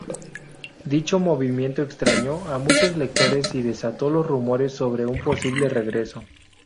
Dicho movimiento extrañó a muchos lectores y desató los rumores sobre un posible regreso.